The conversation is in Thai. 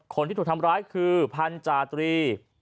คนที่ถูกทำร้ายคือพันธาตรี